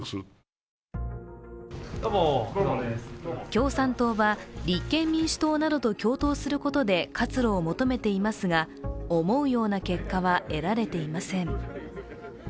共産党は立憲民主党などと共闘することで活路を求めていますが思うような結果は得られていません。